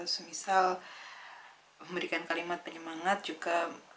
semisal memberikan kalimat penyemangat juga